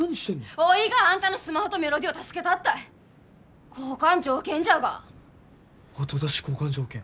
おいがアンタのスマホとメロディーを助けたったい交換条件じゃが後出し交換条件